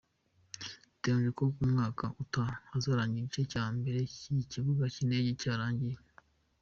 Biteganyijwe ko umwaka utaha uzarangira igice cya mbere cy’iki kibuga cy’indege cyarangiye.